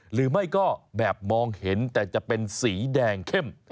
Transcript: หรือไม่ก็แบบมองเห็นแต่จะเป็นสีแดงเข้ม